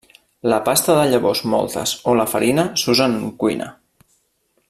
La pasta de llavors mòltes o la farina s'usen en cuina.